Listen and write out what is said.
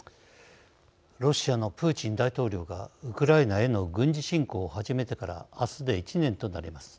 ロシアのプーチン大統領がウクライナへの軍事侵攻を始めてから明日で１年となります。